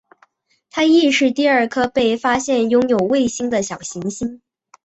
它亦是第二颗被发现拥有卫星的小行星。